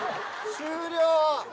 終了！